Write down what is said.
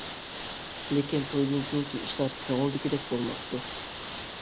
لېكىن تويدىن كېيىنكى ئىشلار كۆڭۈلدىكىدەك بولماپتۇ.